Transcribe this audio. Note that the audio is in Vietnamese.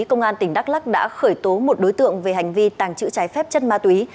công an tỉnh đắk lắc đã khởi tố một đối tượng về hành vi tàng trữ trái phép chất ma túy